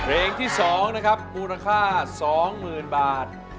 เพลงที่สองนะครับมูลค่าสองหมื่นบาท